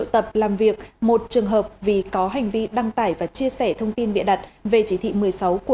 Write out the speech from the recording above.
trên mạng xã hội facebook